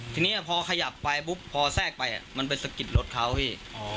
ทีนี้พอขยับไปปุ๊บพอแทรกไปมันไปสะกิดรถเขาพี่